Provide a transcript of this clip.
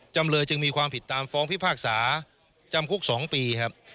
จำเลยจึงมีความผิดตามฟ้องพิพากษาจำคุก๒ปีครับ